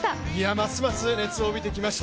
ますます熱を帯びてきました。